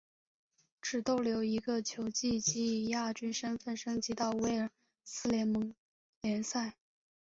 只逗留一个球季即以亚军身份升级到威尔斯联盟联赛。